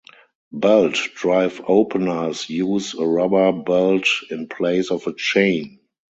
Belt drive openers use a rubber belt in place of a chain.